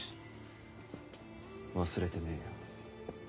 忘れてねえよ。